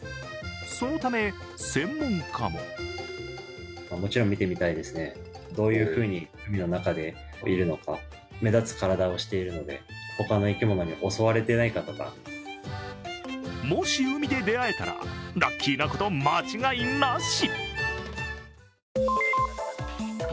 そのため、専門家ももし海で出会えたらラッキーなこと間違いなし。